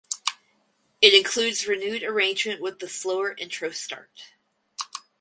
It includes renewed arrangement with the slower intro start.